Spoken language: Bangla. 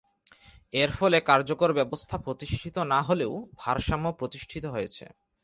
এর ফলে কার্যকর ব্যবস্থা প্রতিষ্ঠিত না হলেও ভারসাম্য প্রতিষ্ঠিত হয়েছে।